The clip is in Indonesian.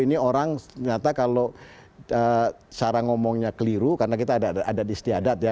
jadi orang ternyata kalau cara ngomongnya keliru karena kita ada istiadat ya